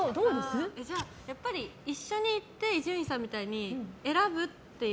やっぱり、一緒に行って伊集院さんみたいに選ぶという。